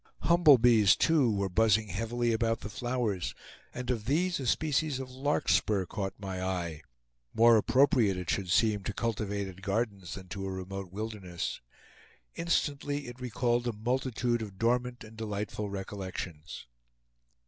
Humble bees too were buzzing heavily about the flowers; and of these a species of larkspur caught my eye, more appropriate, it should seem, to cultivated gardens than to a remote wilderness. Instantly it recalled a multitude of dormant and delightful recollections.